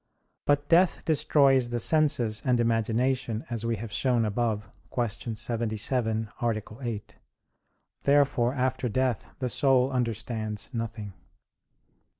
But death destroys the senses and imagination, as we have shown above (Q. 77, A. 8). Therefore after death the soul understands nothing.